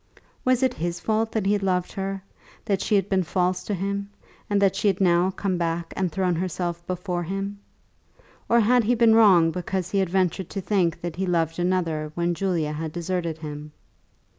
Was it his fault that he had loved her, that she had been false to him, and that she had now come back and thrown herself before him? Or had he been wrong because he had ventured to think that he loved another when Julia had deserted him?